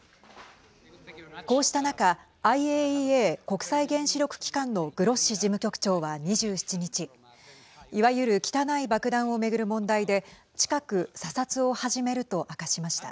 こうした中ＩＡＥＡ＝国際原子力機関のグロッシ事務局長は２７日いわゆる汚い爆弾を巡る問題で近く査察を始めると明かしました。